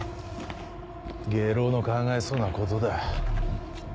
下郎の考えそうなことだ。